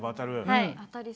はい。